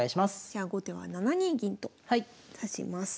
じゃあ後手は７二銀と指します。